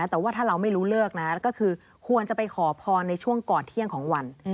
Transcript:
แต่ว่าถ้าเราไม่รู้เลิกนะก็คือควรจะไปขอพรในช่วงก่อนเที่ยงของวัน